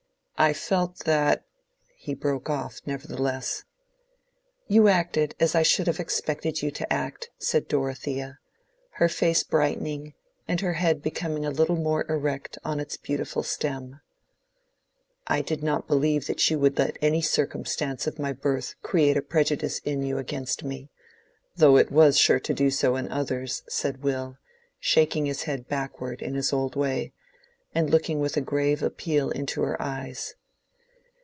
"I felt that"—he broke off, nevertheless. "You acted as I should have expected you to act," said Dorothea, her face brightening and her head becoming a little more erect on its beautiful stem. "I did not believe that you would let any circumstance of my birth create a prejudice in you against me, though it was sure to do so in others," said Will, shaking his head backward in his old way, and looking with a grave appeal into her eyes.